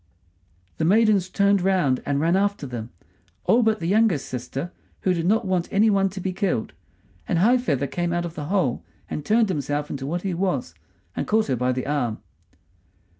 The maidens turned round and ran after them; all but the youngest sister, who did not want any one to be killed; and High feather came out of the hole and turned himself into what he was, and caught her by the arm.